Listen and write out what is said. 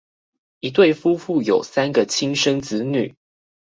一對夫婦有三個親生子女